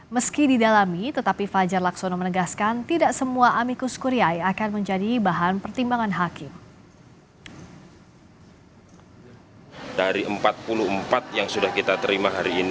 meski didalami tetapi fajar laksono menegaskan tidak semua amikus kuriai akan menjadi bahan pertimbangan hakim